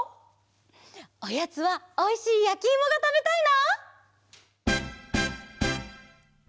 おやつはおいしいやきいもがたべたいな！